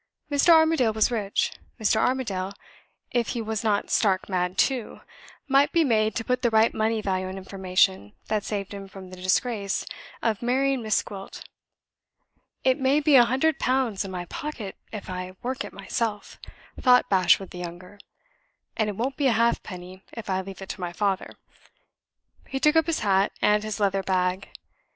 Mr. Armadale was rich Mr. Armadale (if he was not stark mad too) might be made to put the right money value on information that saved him from the disgrace of marrying Miss Gwilt. "It may be a hundred pounds in my pocket if I work it myself," thought Bashwood the younger. "And it won't be a half penny if I leave it to my father." He took up his hat and his leather bag.